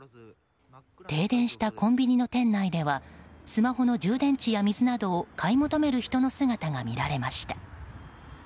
停電したコンビニの店内ではスマホの充電池や水などを買い求める人の姿が見られました。